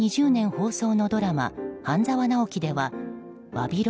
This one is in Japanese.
放送のドラマ「半沢直樹」ではわびろ！